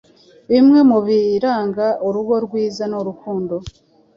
Bimwe mubiranga urugo rwiza, ni urukundo